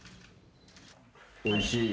おいしい。